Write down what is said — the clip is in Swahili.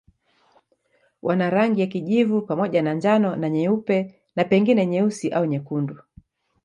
Wana rangi ya kijivu pamoja na njano na nyeupe na pengine nyeusi au nyekundu.